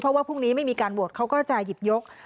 เพราะว่าพรุ่งนี้ไม่มีการโหวตเขาก็จะหยิบยก